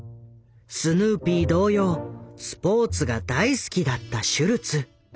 スヌーピー同様スポーツが大好きだったシュルツ。